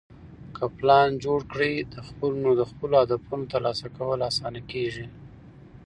که پلان جوړ کړې، نو د خپلو هدفونو ترلاسه کول اسانه کېږي.